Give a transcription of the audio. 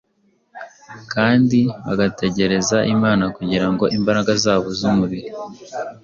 kandi bagategereza Imana kugira ngo imbaraga zabo z’umubiri